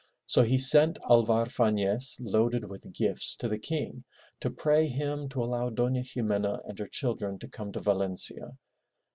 So he sent Alvar Fafiez loaded with gifts to the King to pray him to allow Dona Ximena and her children to come to Valencia.